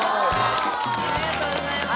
ありがとうございます。